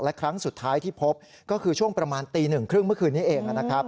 และครั้งสุดท้ายที่พบก็คือช่วงประมาณ๑๓๐นเมื่อคืนนี้เอง